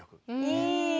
いい。